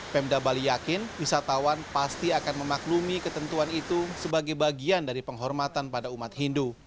pemda bali yakin wisatawan pasti akan memaklumi ketentuan itu sebagai bagian dari penghormatan pada umat hindu